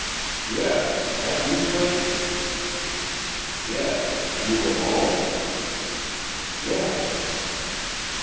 "Yes. That you, Clayton?" "Yes. Are you alone?" "Yes."